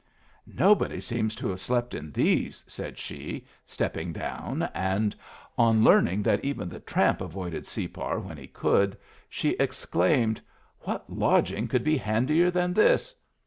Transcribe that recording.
"Nobody seems to have slept in these," said she, stepping down; and on learning that even the tramp avoided Separ when he could, she exclaimed, "What lodging could be handier than this!